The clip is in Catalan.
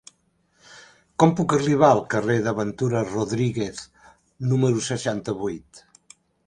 Com puc arribar al carrer de Ventura Rodríguez número seixanta-vuit?